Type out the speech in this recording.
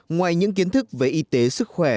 ngoài những kiến thức về y tế sức khỏe